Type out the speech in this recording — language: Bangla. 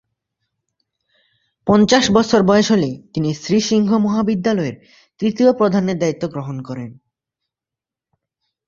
পঞ্চাশ বছর বয়স হলে তিনি শ্রী সিংহ মহাবিদ্যালয়ের তৃতীয় প্রধানের দায়িত্ব গ্রহণ করেন।